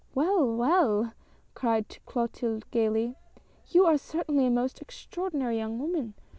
"Well! well!" cried Clotilde, gayly, "you are cer tainly a most extraordinary young woman.